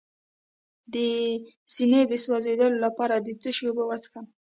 د سینې د سوځیدو لپاره د څه شي اوبه وڅښم؟